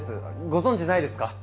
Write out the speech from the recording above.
ご存じないですか？